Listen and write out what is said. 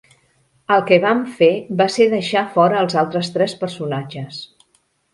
El que vam fer va ser deixar fora els altres tres personatges.